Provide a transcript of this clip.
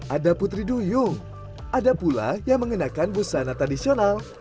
ada putri duyung ada pula yang mengenakan busana tradisional